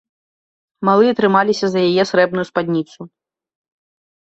Малыя трымаліся за яе зрэбную спадніцу.